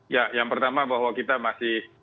ya yang pertama bahwa kita masih